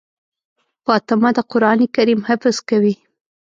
فاطمه د قرآن کريم حفظ کوي.